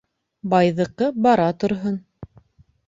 Байҙыҡы бара торһон